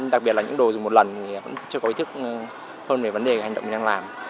đặc biệt là những đồ dùng một lần thì vẫn chưa có ý thức hơn về vấn đề hành động mình đang làm